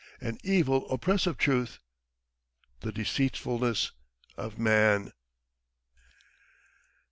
An evil oppressive truth. ... The deceitfulness of man!